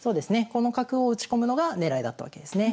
この角を打ち込むのが狙いだったわけですね。